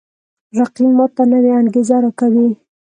رقیب ما ته نوی انگیزه راکوي